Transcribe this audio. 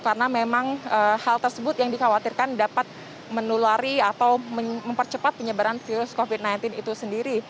karena memang hal tersebut yang dikhawatirkan dapat menulari atau mempercepat penyebaran virus covid sembilan belas itu sendiri